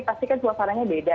pasti kan suasananya beda